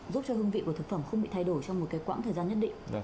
giúp cho hương vị của thực phẩm không bị thay đổi trong một cái quãng thời gian nhất định